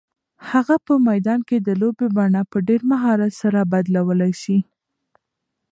هغه په میدان کې د لوبې بڼه په ډېر مهارت سره بدلولی شي.